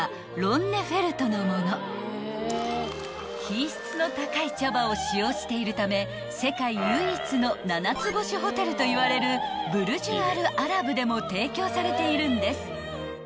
［品質の高い茶葉を使用しているため世界唯一の７つ星ホテルといわれるブルジュ・アル・アラブでも提供されているんです］